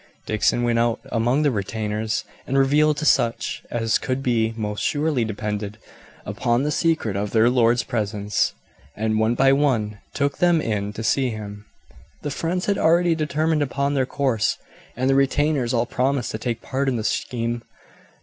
Dickson went out among the retainers and revealed to such as could be most surely depended upon the secret of their lord's presence, and one by one took them in to see him. The friends had already determined upon their course, and the retainers all promised to take part in the scheme.